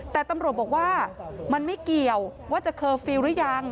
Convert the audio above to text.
แต่ตำรวจบอกว่ามันไม่เกี่ยวว่าจะเคอร์ฟิลล์หรือยัง